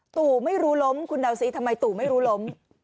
ตู่ไม่รู้ล้มคุณเดาซิทำไมตู่ไม่รู้ล้ม